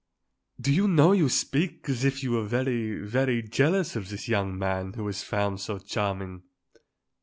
"Do you know you speak as if you were very, very jealous of this young man who is found so charming?"